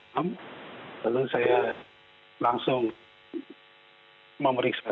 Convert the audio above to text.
jadi waktu saya sudah merasa ada sakit menyeringkan warungan